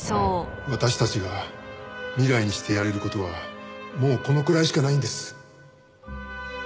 私たちが未来にしてやれる事はもうこのくらいしかないんです。